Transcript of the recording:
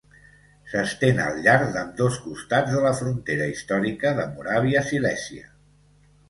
S'estén al llarg d'ambdós costats de la frontera històrica de Moràvia-Silèsia.